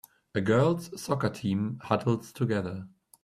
A girls ' soccer team huddles together.